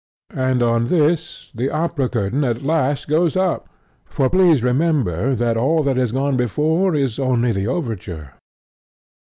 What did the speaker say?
And on this the opera curtain at last goes up for please remember that all that has gone before is only the overture.